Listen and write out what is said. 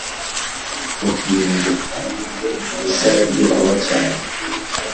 Uhinduka isarabwe vuba cyane